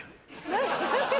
何？